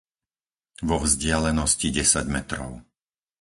vo vzdialenosti desať metrov